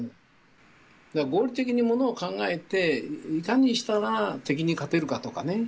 合理的に物を考えていかにしたら敵に勝てるかとかね